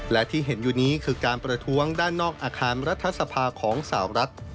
และที่เห็นอยู่นี้คือการประท้วงด้านนอกอาคารรัฐสภาของสาวรัฐ